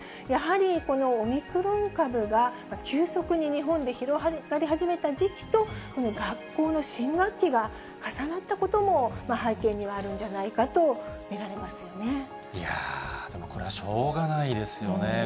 やはりこのオミクロン株が急速に日本で広がり始めた時期と、この学校の新学期が重なったことも背景にはあるんじゃないかと見いやー、でもこれはしょうがないですよね。